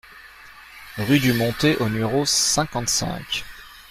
Rue du Montais au numéro cinquante-cinq